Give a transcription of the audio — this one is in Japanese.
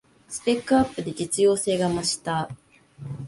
スペックアップで実用性が増した